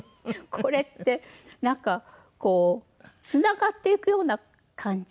これってなんかこうつながっていくような感じで。